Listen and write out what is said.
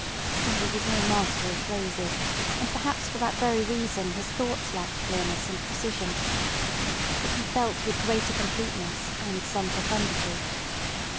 Stevie was no master of phrases, and perhaps for that very reason his thoughts lacked clearness and precision. But he felt with greater completeness and some profundity.